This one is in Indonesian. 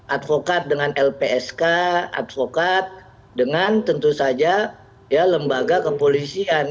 advokat dengan lpsk advokat dengan tentu saja ya lembaga kepolisian